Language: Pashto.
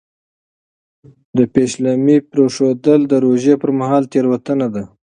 د پېشلمي پرېښودل د روژې پر مهال تېروتنه ده.